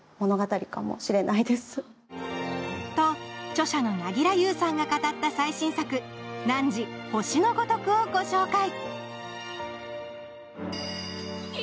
著者の凪良ゆうさんが語った最新作「汝、星のごとく」をご紹介。